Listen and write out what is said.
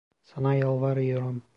Sana yalvarıyorum.